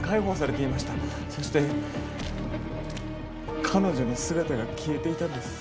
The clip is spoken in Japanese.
そして彼女の姿が消えていたんです。